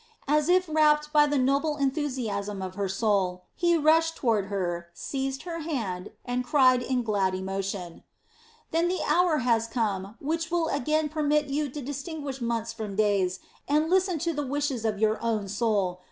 As if rapt by the noble enthusiasm of her soul, he rushed toward her, seized her hand, and cried in glad emotion: "Then the hour has come which will again permit you to distinguish months from days and listen to the wishes of your own soul.